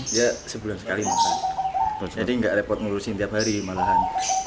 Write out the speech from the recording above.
dia sebulan sekali makan jadi nggak repot ngurusin tiap hari malahan